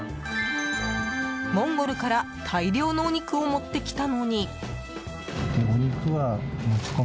モンゴルから大量のお肉を持ってきたのに。